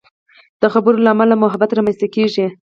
د خبرو له امله محبت رامنځته کېږي.